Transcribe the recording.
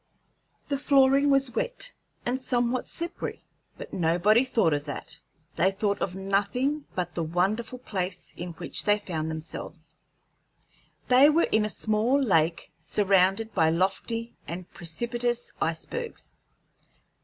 The flooring was wet, and somewhat slippery, but nobody thought of that; they thought of nothing but the wonderful place in which they found themselves. They were in a small lake surrounded by lofty and precipitous icebergs.